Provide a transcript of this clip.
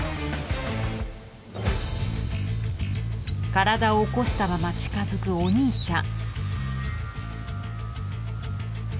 体を起こしたまま近づくお兄ちゃん。